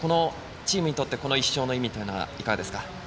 チームにとってこの１勝の意味はどうですか？